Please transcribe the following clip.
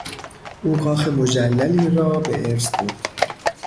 او کاخ مجللی را به ارث برد.